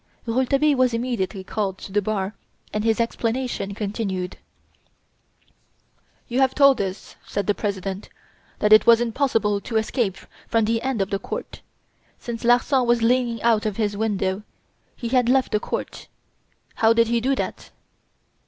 Rouletabille was immediately called to the bar and his examination continued. "You have told us," said the President, "that it was impossible to escape from the end of the court. Since Larsan was leaning out of his window, he had left the court. How did he do that?"